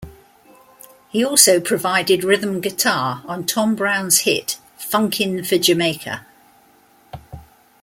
He also provided rhythm guitar on Tom Browne's hit, "Funkin' for Jamaica".